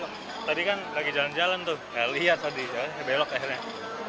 lihat tadi belok akhirnya